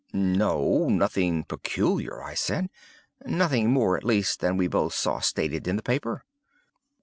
"No, nothing peculiar," I said; "nothing more, at least, than we both saw stated in the paper."